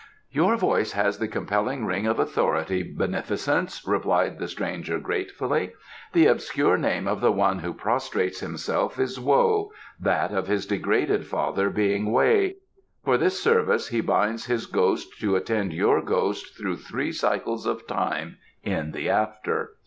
"Your voice has the compelling ring of authority, beneficence," replied the stranger gratefully. "The obscure name of the one who prostrates himself is Wo, that of his degraded father being Weh. For this service he binds his ghost to attend your ghost through three cycles of time in the After."